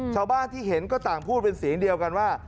ชาวบ้านที่เห็นก็ต่างพูดเป็นเสียงเดียวกันว่า